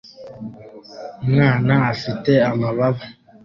Umwana afite amabara